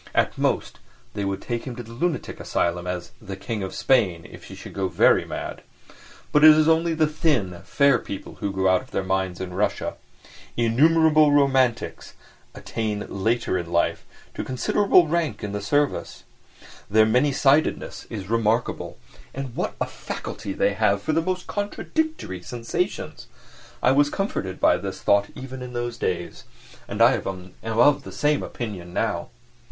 At most, they would take him to the lunatic asylum as "the King of Spain" if he should go very mad. But it is only the thin, fair people who go out of their minds in Russia. Innumerable "romantics" attain later in life to considerable rank in the service. Their many sidedness is remarkable! And what a faculty they have for the most contradictory sensations! I was comforted by this thought even in those days, and I am of the same opinion now.